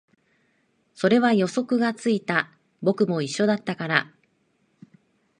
それは予想がついた、僕も一緒だったから